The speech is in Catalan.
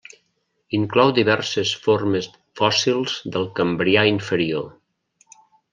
Inclou diverses formes fòssils del Cambrià inferior.